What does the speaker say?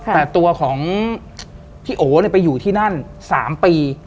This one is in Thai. แต่ตัวของพี่โอไปอยู่ที่นั่น๓ปี